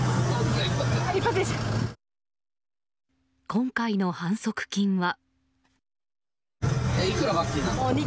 今回の反則金は。